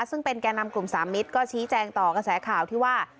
ซึ่งเป็นแก่นำกลุ่มสามมิตรก็ชี้แจงต่อกระแสข่าวที่ว่า